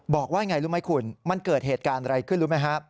บอกว่าอย่างไรรู้ไหมคุณมันเกิดเหตุการณ์อะไรขึ้นรู้ไหมฮะ